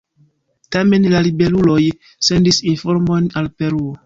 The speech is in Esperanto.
Tamen la ribeluloj sendis informojn al Peruo.